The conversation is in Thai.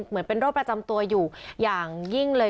เหมือนเป็นโรคประจำตัวอยู่อย่างยิ่งเลย